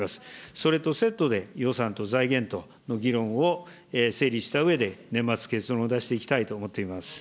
それとセットで予算と財源との議論を整理したうえで、年末、結論を出していきたいと思っています。